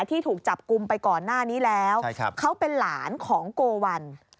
ที่ถูกจับกลุ่มไปก่อนหน้านี้แล้วเขาเป็นหลานของโกวัล